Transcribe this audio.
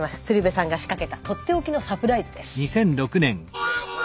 鶴瓶さんが仕掛けた取って置きのサプライズです。